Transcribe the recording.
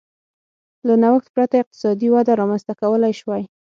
له نوښت پرته اقتصادي وده رامنځته کولای شوای.